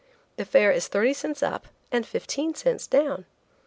The fare is thirty cents up and fifteen cents down.